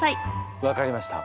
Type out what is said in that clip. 分かりました。